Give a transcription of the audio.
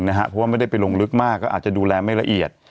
เพราะว่าไม่ได้ไปลงลึกมากก็อาจจะดูแลไม่ละเอียด